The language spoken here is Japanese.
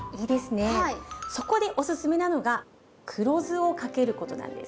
そこでおすすめなのが黒酢をかけることなんです。